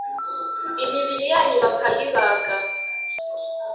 imibiri yanyu bakiyibaga